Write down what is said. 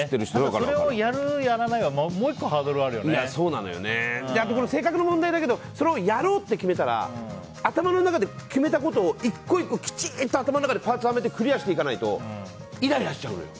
それをやる、やらないは性格の問題だけどそれをやろうと決めたら頭の中で決めたことを１個１個、きちっと頭の中でパーツはめてクリアしていかないとイライラしちゃうのよ。